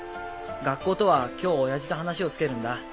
学校とは今日親父と話をつけるんだ。